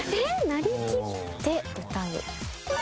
なりきって歌う。